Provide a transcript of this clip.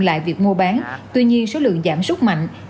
lại việc mua bán tuy nhiên số lượng giảm rất mạnh